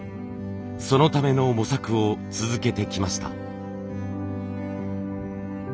そのための模索を続けてきました。